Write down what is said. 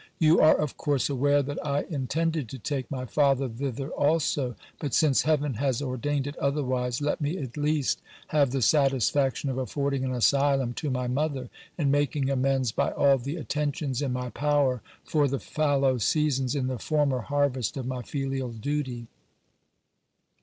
You are £>i course aware that I intended to take my father thither also : but since heaven has ordained it otherwise, let me at least FUNERAL OF GIL BLAS'S FATHER. 341 have the satisfaction of affording an asylum to my mother, and making amends by all the attentions in my power for the fallow seasons in the former harvest of my filial duty.